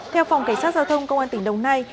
theo phòng cảnh sát giao thông công an tỉnh đồng nai